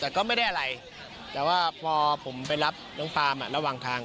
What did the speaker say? แต่ก็ไม่ได้อะไรแต่ว่าพอผมไปรับน้องฟาร์มระหว่างทาง